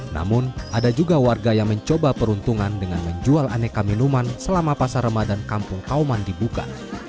namun ada juga warga yang mencoba peruntungan dengan menjual aneka minuman selama pasar ramadan kampung kauman dibuka